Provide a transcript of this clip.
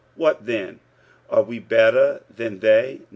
45:003:009 What then? are we better than they?